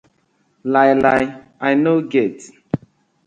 Lai lai I no get.